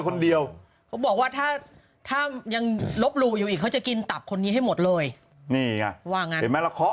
นี้ไงเข้าล่ะแล้วออกมานะ